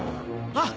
あっ。